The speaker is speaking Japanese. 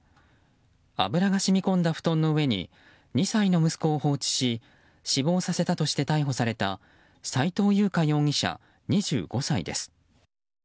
油が染み込んだ布団の上に２歳の息子を放置し死亡させたとして逮捕された斉藤優花容疑者、２５歳です。